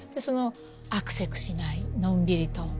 あくせくしないのんびりと。